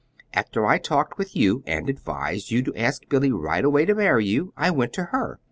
After I talked with you, and advised you to ask Billy right away to marry you, I went to her.